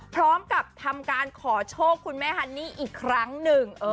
พร้อมกับทำการขอโชคคุณแม่ฮันนี่อีกครั้งหนึ่ง